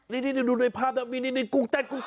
นี่ดูในภาพมีกุ้งเต้น